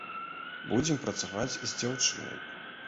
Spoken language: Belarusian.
Будзем працаваць з дзяўчынай.